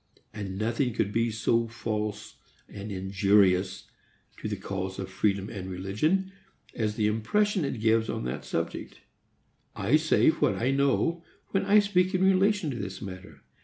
And nothing could be so false and injurious (to the cause of freedom and religion) as the impression it gives on that subject. I say what I know when I speak in relation to this matter.